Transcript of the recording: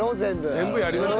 全部やりましょう！